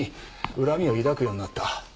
恨みを抱くようになった。